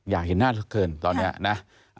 อยากเห็นหน้าสักเกินตอนนี้นะ